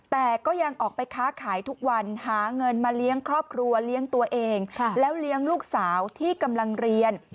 แต่ก็ยังออกไปค้าขายทุกวันหาเงินมาเลี้ยงครอบครัวเลี้ยงตัวเองแล้วเลี้ยงลูกสาวที่กำลังเรียน